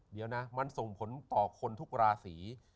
เดี๋ยวนะมันส่งผลต่อคนทุกราศี